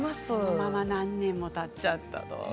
そのまま何年もたっちゃったと。